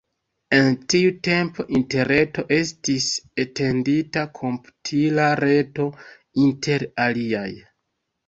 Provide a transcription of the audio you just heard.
En tiu tempo Interreto estis etendita komputila reto inter aliaj.